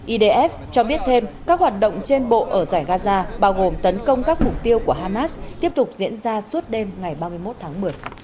idf cho biết thêm các hoạt động trên bộ ở giải gaza bao gồm tấn công các mục tiêu của hamas tiếp tục diễn ra suốt đêm ngày ba mươi một tháng một mươi